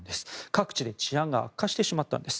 各地で治安が悪化してしまったんです。